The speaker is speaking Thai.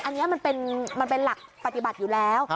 อันนี้มันเป็นหลักปฏิบัติอยู่แล้ว